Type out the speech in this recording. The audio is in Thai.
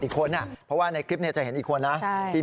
นี่คนละอารมณ์นะจริง